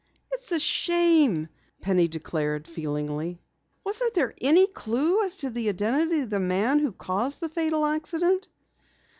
"It's a shame!" Penny declared feelingly. "Wasn't there any clue as to the identity of the man who caused the fatal accident?"